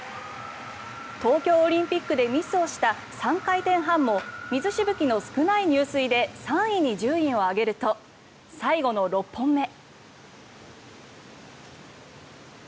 東京オリンピックでミスをした３回転半も水しぶきの少ない入水で３位に順位を上げると最後の６本目。